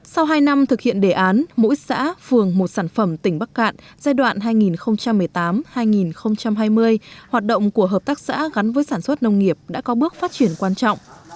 sau hai năm thực hiện đề án mỗi xã phường một sản phẩm tỉnh bắc cạn giai đoạn hai nghìn một mươi tám hai nghìn hai mươi hoạt động của hợp tác xã gắn với sản xuất nông nghiệp đã có bước phát triển quan trọng